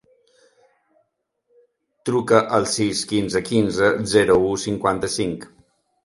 Truca al sis, quinze, quinze, zero, u, cinquanta-cinc.